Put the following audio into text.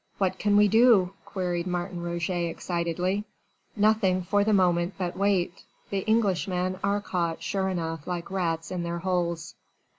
"What can we do?" queried Martin Roget excitedly. "Nothing for the moment but wait. The Englishmen are caught sure enough like rats in their holes."